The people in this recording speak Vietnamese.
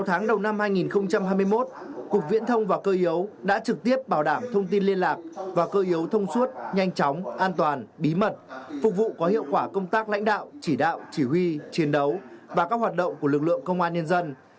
sáu tháng đầu năm hai nghìn hai mươi một cục viễn thông và cơ yếu đã trực tiếp bảo đảm thông tin liên lạc và cơ yếu thông suốt nhanh chóng an toàn bí mật phục vụ có hiệu quả công tác lãnh đạo chỉ đạo chỉ huy chiến đấu và các hoạt động của lực lượng công an nhân dân